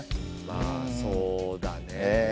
まあそうだね。